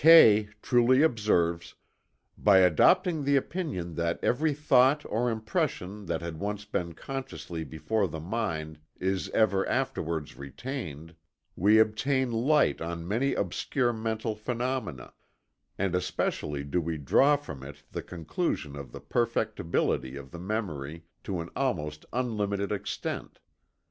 Kay truly observes: "By adopting the opinion that every thought or impression that had once been consciously before the mind is ever afterwards retained, we obtain light on many obscure mental phenomena; and especially do we draw from it the conclusion of the perfectibility of the memory to an almost unlimited extent.